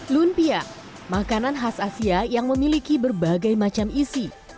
lumpia makanan khas asia yang memiliki berbagai macam isi